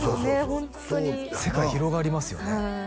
ホントに世界広がりますよね